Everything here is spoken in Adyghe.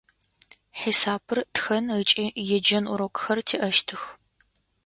Хьисапыр, тхэн ыкӏи еджэн урокхэр тиӏэщтых.